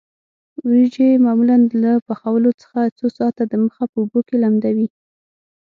وریجې معمولاً له پخولو څخه څو ساعته د مخه په اوبو کې لمدوي.